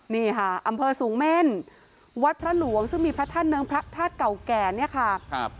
นี่ค่ะอำเภอสูงเม่นวัดพระหลวงซึ่งมีพระท่านหนึ่งพระธาตุเก่าแก่เนี่ยค่ะครับ